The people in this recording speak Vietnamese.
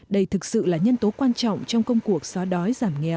đây thực sự là nhân tố quan trọng trong công cuộc xóa đói